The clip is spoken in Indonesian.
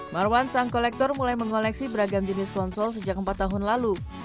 marwan sang kolektor mulai mengoleksi beragam jenis konsol sejak empat tahun lalu